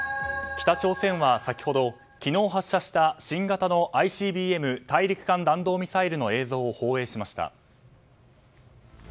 北朝鮮は先ほど昨日、発射した新型のＩＣＢＭ・大陸間弾道ミサイルの映像を放映しました。